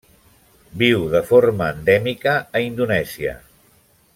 Viu de forma endèmica a Indonèsia.